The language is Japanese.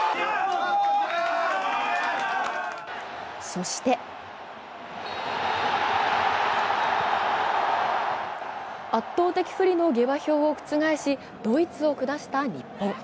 そして圧倒的不利の下馬評を覆し、ドイツを下した日本。